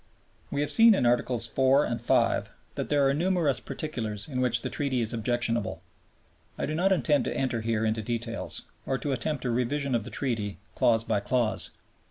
We have seen in Chapters IV. and V. that there are numerous particulars in which the Treaty is objectionable. I do not intend to enter here into details, or to attempt a revision of the Treaty clause by clause.